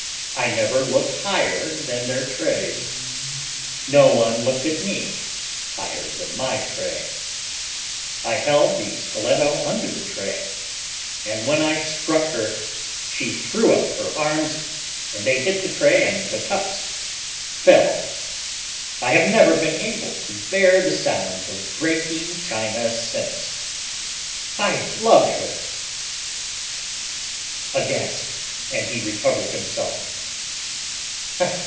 I never look higher than their trays. No one looked at me higher than my tray. I held the stiletto under the tray and when I struck her she threw up her hands and they hit the tray and the cups fell. I have never been able to bear the sound of breaking china since. I loved her—" A gasp and he recovered himself.